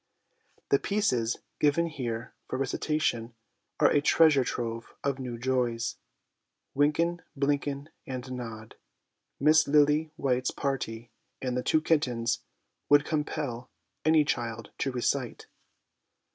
The pieces given here for recitation are a treasure trove of new joys. ' Winken, Blinken, and Nod,' ' Miss Lily white's Party/ and 'The Two Kittens/ would compel any child to recite.